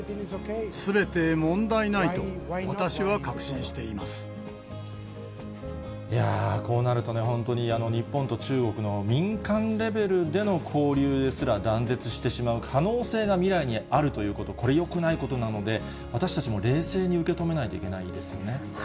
すべて問題ないと、こうなるとね、本当に、日本と中国の民間レベルでの交流ですら断絶してしまう可能性が未来にあるということ、これよくないことなので、私たちも冷静に受け止めないといけないですよね。